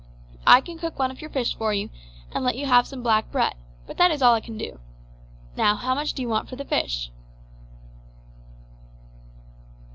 I can cook one of your fish for you, and let you have some black bread; but that is all I can do. Now, how much do you want for the fish?"